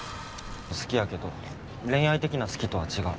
好きやけど恋愛的な好きとは違う。